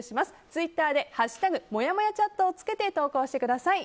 ツイッターで「＃もやもやチャット」をつけて投稿してください。